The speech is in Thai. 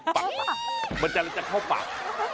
คนเป็นเดียวจะเข้าปาก